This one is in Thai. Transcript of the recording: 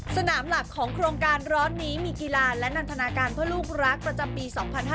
สนามหลักของโครงการร้อนนี้มีกีฬาและนันทนาการเพื่อลูกรักประจำปี๒๕๕๙